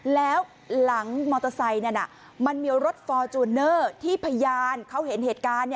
แล้วหลังมอเตอร์ไซค์นั้นมันมีรถฟอร์จูเนอร์ที่พยานเขาเห็นเหตุการณ์